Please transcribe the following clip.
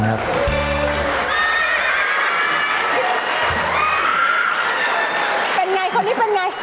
เป็นอย่างไรคนนี้เป็นอย่างไร